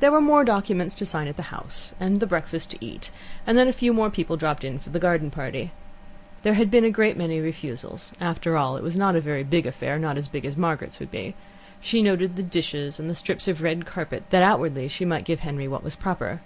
There were more documents to sign at the house, and the breakfast to eat, and then a few more people dropped in for the garden party. There had been a great many refusals, and after all it was not a very big affair not as big as Margaret's would be. She noted the dishes and the strips of red carpet, that outwardly she might give Henry what was proper.